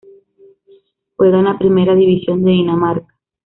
Juega en la Primera División de Dinamarca.